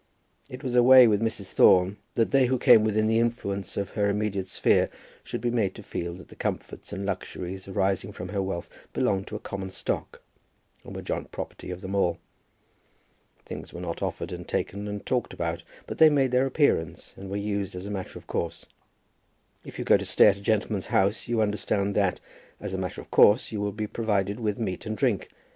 It was a way with Mrs. Thorne that they who came within the influence of her immediate sphere should be made to feel that the comforts and luxuries arising from her wealth belonged to a common stock, and were the joint property of them all. Things were not offered and taken and talked about, but they made their appearance, and were used as a matter of course. If you go to stay at a gentleman's house you understand that, as a matter of course, you will be provided with meat and drink.